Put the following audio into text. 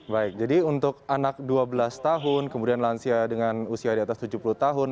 baik jadi untuk anak dua belas tahun kemudian lansia dengan usia di atas tujuh puluh tahun